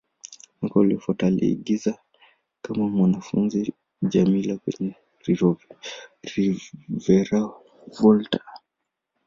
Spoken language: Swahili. Mwaka uliofuata, aliigiza kama mwanafunzi Djamila kwenye "Reviravolta".